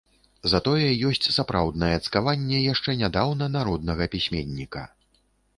Затое ёсць сапраўднае цкаванне яшчэ нядаўна народнага пісьменніка.